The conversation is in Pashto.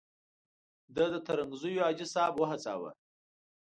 ده د ترنګزیو حاجي صاحب وهڅاوه.